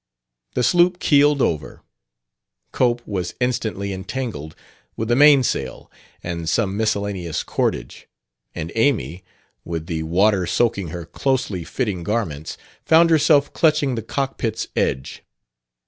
The sloop keeled over; Cope was instantly entangled with the mainsail and some miscellaneous cordage; and Amy, with the water soaking her closely fitting garments, found herself clutching the cockpit's edge.